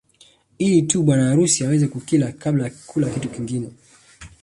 Ili tu bwana harusi aweze kukila kabla ya kula kitu kingine